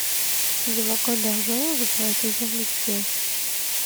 Si nous manquons d'argent, je pourrais toujours me tuer.